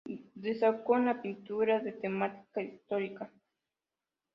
Destacó en la pintura de temática histórica.